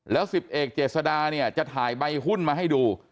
แล้ว๑๐เอกเจษดาเนี่ยจะถ่ายใบหุ้นมาให้ดู